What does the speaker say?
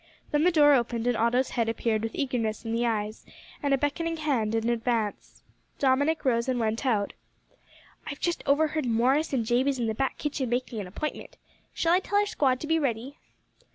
Then the door opened, and Otto's head appeared with eagerness in the eyes, and a beckoning hand in advance. Dominick rose and went out. "I've just overheard Morris and Jabez in the back kitchen making an appointment. Shall I tell our squad to be ready?"